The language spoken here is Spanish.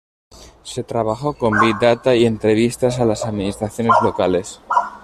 Se trabajó con big data y entrevistas a las administraciones locales.